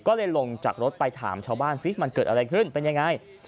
ก็เลยลงจากรถไปถามชาวบ้านสิมันเกิดอะไรขึ้นเป็นยังไง